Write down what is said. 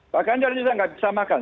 pak ganjar ini saya nggak bisa makan